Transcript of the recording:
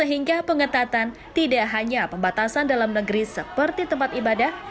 sehingga pengetatan tidak hanya pembatasan dalam negeri seperti tempat ibadah